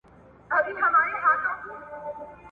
تاسو ولي پرون درس ته نه وای راغلي؟